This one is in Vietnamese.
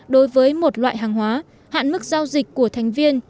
đối với một loại hàng hóa hạn mức giao dịch của thành viên